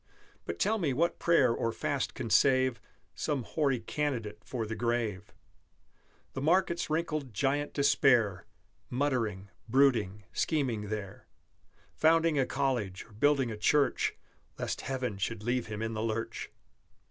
But tell me what prayer or fast can save Some hoary candidate for the grave, The market's wrinkled Giant Despair, Muttering, brooding, scheming there, Founding a college or building a church Lest Heaven should leave him in the lurch!